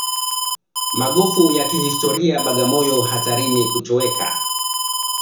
Magofu ya kihistoria Bagamoyo hatarini kutoweka